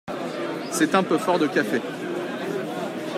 C’est un peu fort de café.